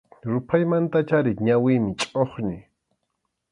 Ruphaymantach ari ñawiymi chʼuqñi.